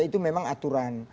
itu memang aturan